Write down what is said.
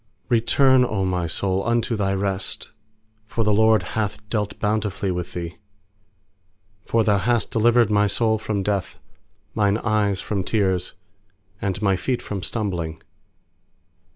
7Return, O my soul, unto thy rest; For the LORD hath dealt bountifully with thee. 8For Thou hast delivered my soul from death, Mine eyes from tears, And my feet from stumbling.